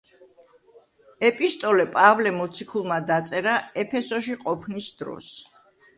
ეპისტოლე პავლე მოციქულმა დაწერა ეფესოში ყოფნის დროს.